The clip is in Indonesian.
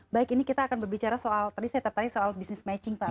baik ini kita akan berbicara soal tadi saya tertarik soal bisnis matching pak